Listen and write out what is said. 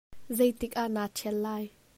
Zeitik ah naa tthial lai?